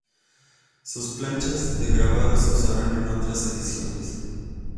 Sus planchas de grabado se usaron en otras ediciones.